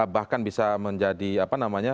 bahkan bisa menjadi apa namanya